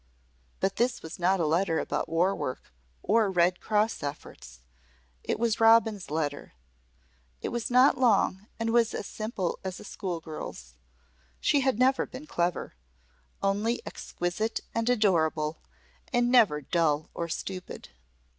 But this was not a letter about war work or Red Cross efforts. It was Robin's letter. It was not long and was as simple as a school girl's. She had never been clever only exquisite and adorable, and never dull or stupid.